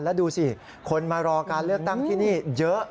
แล้วดูสิคนมารอการเลือกตั้งที่นี่เยอะ